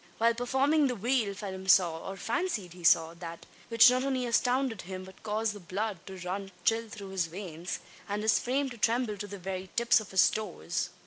While performing the wheel, Phelim saw or fancied he saw that, which not only astounded him, but caused the blood to run chill through his veins, and his frame to tremble to the very tips of his toes.